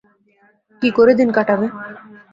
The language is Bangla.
কী করে দিন কাটাবে?